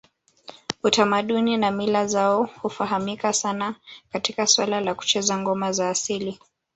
Utamaduni na mila zao hufahamika sana katika suala la kucheza ngoma za asili